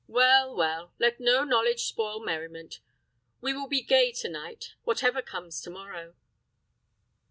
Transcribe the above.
"Well well, let no knowledge spoil merriment. We will be gay to night, whatever comes to morrow."